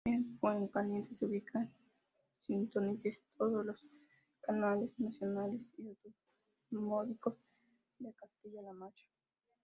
En Fuencaliente se pueden sintonizar todos los canales nacionales y autonómicos de Castilla-La Mancha.